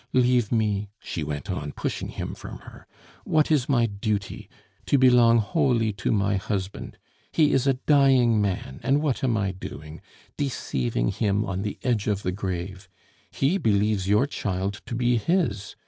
"Leave me," she went on, pushing him from her. "What is my duty? To belong wholly to my husband. He is a dying man, and what am I doing? Deceiving him on the edge of the grave. He believes your child to be his.